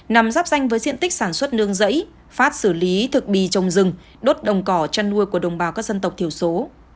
nằm giáp danh với diện tích sản xuất nương rẫy phát xử lý thực bì trồng rừng đốt đồng cỏ chăn nuôi của đồng bào các dân tộc thiểu số